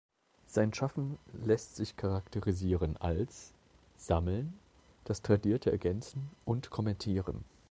Sein Schaffen lässt sich charakterisieren als: sammeln, das Tradierte ergänzen und kommentieren.